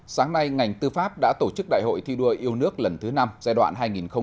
sáng nay ngành tư pháp đã tổ chức đại hội thi đua yêu nước lần thứ năm giai đoạn hai nghìn hai mươi hai nghìn hai mươi năm